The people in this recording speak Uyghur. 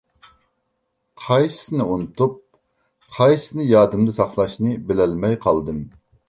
قايسىسىنى ئۇنتۇپ، قايسىسىنى يادىمدا ساقلاشنى بىلەلمەي قالدىم.